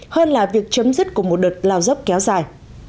hơn là việc chấm dứt của một đợt lao dốc kéo dài